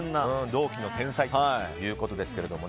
同期の天才ということですけども。